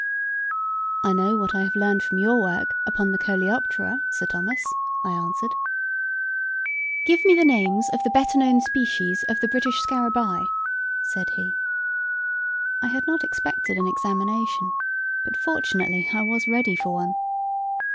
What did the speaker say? "I know what I have learned from your work upon the coleoptera, Sir Thomas," I answered. "Give me the names of the better known species of the British scarabaei," said he. I had not expected an examination, but fortunately I was ready for one.